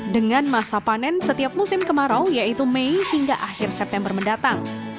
dengan masa panen setiap musim kemarau yaitu mei hingga akhir september mendatang